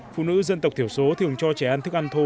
phụ nữ dân tộc thiểu số thường cho trẻ ăn thức ăn thô